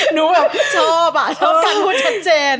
หนูแบบชอบอ่ะชอบการพูดชัดเจน